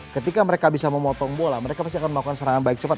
ketika mereka bisa memotong bola mereka pasti akan melakukan serangan balik cepat